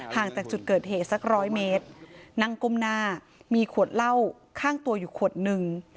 ห่างจากจุดเกิดเหตุสักร้อยเมตรนั่งก้มหน้ามีขวดเหล้าข้างตัวอยู่ขวดนึง